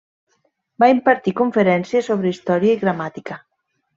Va impartir conferències sobre història i gramàtica.